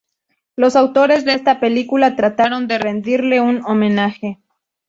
Los autores de esta película trataron de rendirle un homenaje.